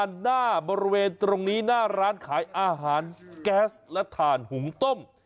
หน้าบริเวณตรงนี้หน้าร้านขายอาหารแก๊สและถ่านหุงต้ม